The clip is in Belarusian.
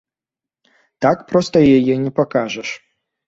Так проста яе не пакажаш.